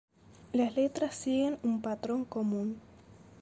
Las letras siguen un patrón común.